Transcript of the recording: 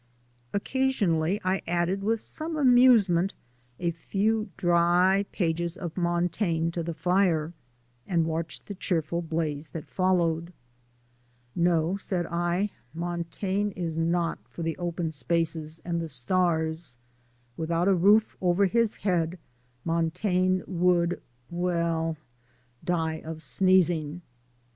Occasionally I added, with some amusement, a few dry pages of Montaigne to the fire, and watched the cheerful blaze that followed. "No," said I, "Montaigne is not for the open spaces and the stars. Without a roof over his head Montaigne would well, die of sneezing."